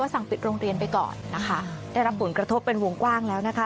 สั่งปิดโรงเรียนไปก่อนนะคะได้รับผลกระทบเป็นวงกว้างแล้วนะคะ